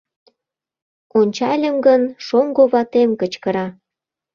Ончальым гын, шоҥго ватем кычкыра.